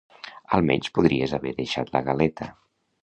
Almenys, podries haver deixat la galeta.